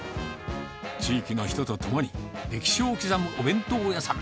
地域の人とともに、歴史を刻むお弁当屋さん。